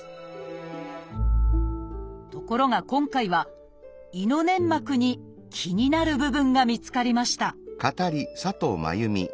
ところが今回は胃の粘膜に気になる部分が見つかりました